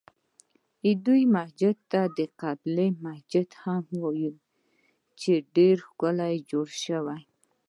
دې جومات ته د قبلې جومات هم وایي چې ډېر ښکلی جوړ شوی.